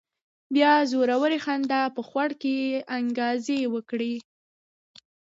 بيا زورورې خندا په خوړ کې انګازې وکړې.